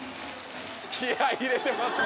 気合い入れてますね